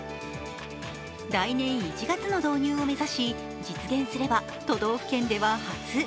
来年１月の導入を目指し、実現すれば都道府県では初。